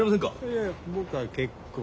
いや僕は結構。